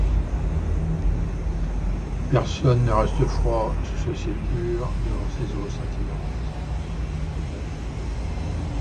Personne ne reste froid sous ce ciel pur, devant ces eaux scintillantes.